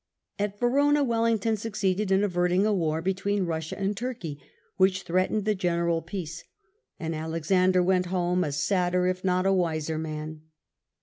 At Verona Wellington succeeded in averting a war between Eussia and Turkey which threatened the general peace ; and Alexander went home a sadder, if not a wiser man.